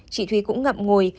chị thúy cũng ngậm ngùi